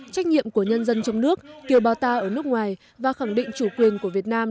trách nhiệm của nhân dân trong nước kiều bào ta ở nước ngoài và khẳng định chủ quyền của việt nam